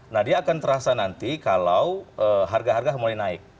nah dia akan terasa nanti kalau harga harga mulai naik